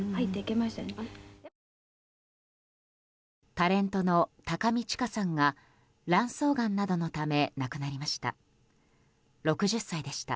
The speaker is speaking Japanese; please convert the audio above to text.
タレントの高見知佳さんが卵巣がんなどのため亡くなりました。